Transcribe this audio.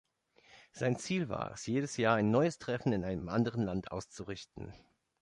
Sein Ziel war es, jedes Jahr ein neues Treffen in einem anderen Land auszurichten.